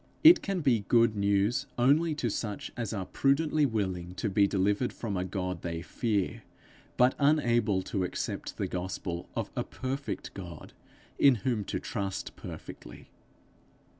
It can be good news only to such as are prudently willing to be delivered from a God they fear, but unable to accept the gospel of a perfect God, in whom to trust perfectly.